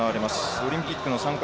オリンピックの参加